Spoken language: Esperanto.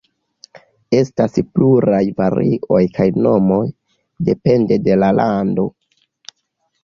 Estas pluraj varioj kaj nomoj, depende de la lando.